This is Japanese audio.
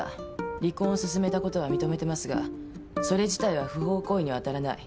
離婚を勧めたことは認めてますがそれ自体は不法行為には当たらない。